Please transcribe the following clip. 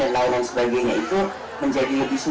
masyarakat yang kemudian membutuhkan rentuan